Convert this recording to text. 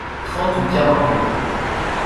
Trente ou quarante lieues.